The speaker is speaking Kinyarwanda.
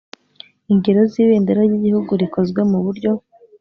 ingero z ibendera ry igihugu rikozwe mu buryo